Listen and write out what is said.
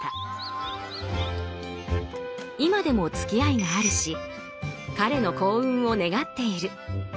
今でもつきあいがあるし彼の幸運を願っている。